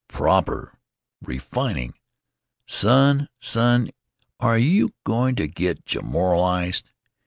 "Proper! Refining! Son, son, are you going to get Joralemonized?